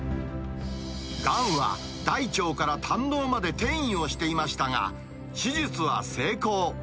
がんは大腸から胆のうまで転移をしていましたが、手術は成功。